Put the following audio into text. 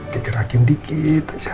digerakin dikit aja